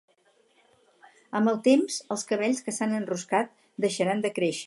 Amb el temps, els cabells que s'han enroscat deixaran de créixer.